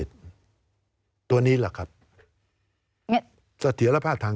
การเลือกตั้งครั้งนี้แน่